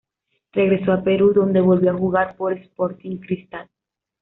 Regresó a Perú donde volvió a jugar por Sporting Cristal.